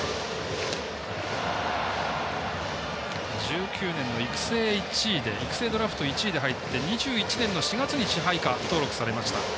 １９年の育成ドラフト１位で入って２１年の４月に支配下登録されました。